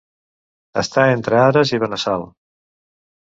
Estar entre Ares i Benassal.